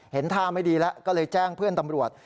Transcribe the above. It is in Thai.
ท่าไม่ดีแล้วก็เลยแจ้งเพื่อนตำรวจ